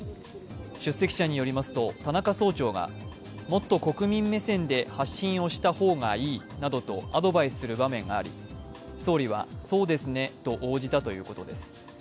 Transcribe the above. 出席者によりますと田中総長がもっと国民目線で発信をした方がいいなどとアドバイスする場面があり総理は、そうですねと応じたということです。